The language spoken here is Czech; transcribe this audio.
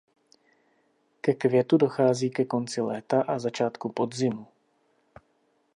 Ke květu dochází ke konci léta a začátku podzimu.